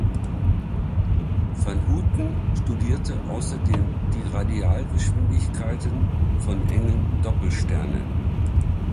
Van Houten studierte außerdem die Radialgeschwindigkeiten von engen Doppelsternen.